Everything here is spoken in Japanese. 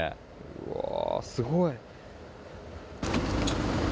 うわー、すごい。